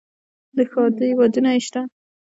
د ښادۍ ودونه یې شه،